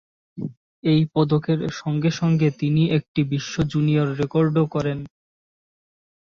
এই পদকের সঙ্গে সঙ্গে তিনি একটি বিশ্ব জুনিয়র রেকর্ডও করেন।